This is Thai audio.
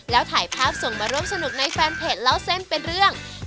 แล้วถ่ายภาพส่งมาร่วมสนุกในแฟนเพจเล่าเส้นเป็นเรื่อง